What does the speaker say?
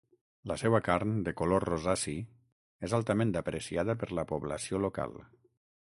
La seua carn de color rosaci és altament apreciada per la població local.